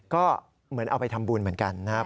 ก็เหมือนเอาไปทำบุญเหมือนกันนะครับ